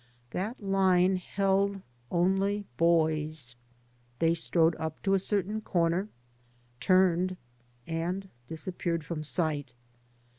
That line held only boys. They strode up to a certain comer, turned, and disappeared from sight.